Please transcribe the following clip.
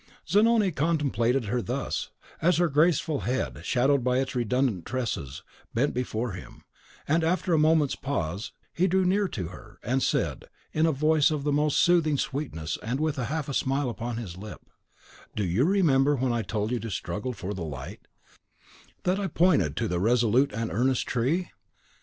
Zanoni contemplated her thus, as her graceful head, shadowed by its redundant tresses, bent before him; and after a moment's pause he drew near to her, and said, in a voice of the most soothing sweetness, and with a half smile upon his lip, "Do you remember, when I told you to struggle for the light, that I pointed for example to the resolute and earnest tree?